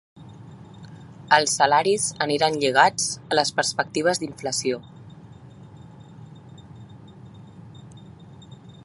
Els salaris aniran lligats a les perspectives d’inflació.